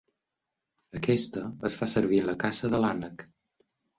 Aquesta es fa servir en la caça de l'ànec.